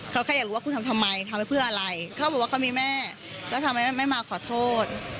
เขาแค่อยากรู้ว่าคุณทำทำไมทำไปเพื่ออะไรเขาบอกว่าเขามีแม่แล้วทำไมไม่มาขอโทษ